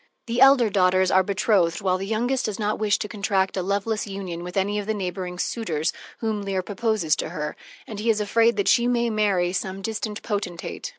The elder daughters are betrothed, while the youngest does not wish to contract a loveless union with any of the neighboring suitors whom Leir proposes to her, and he is afraid that she may marry some distant potentate.